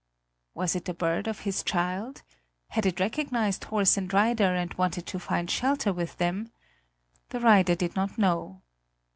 Was it the bird of his child? Had it recognised horse and rider and wanted to find shelter with them? The rider did not know.